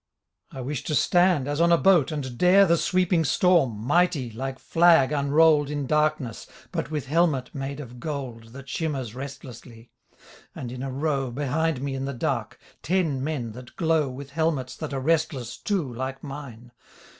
I wish to stand as on a boat and dare The sweeping storm, mighty, like flag unrolled In darkness but with helmet made of gold TTiat shimmers restlessly. And in a row. Behind me in the dark, ten men that glow With helmets that are restless, too, like mine.